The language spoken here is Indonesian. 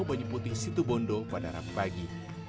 banyiputi situbondo pada harap pagi